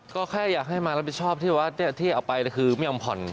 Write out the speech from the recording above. ก็แค่อยากให้มารับผิดชอบที่ว่าที่เอาไปคือไม่ยอมผ่อน